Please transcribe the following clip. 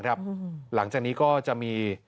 หลังจากนี้ก็จะมี